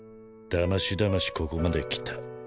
だましだましここまできた。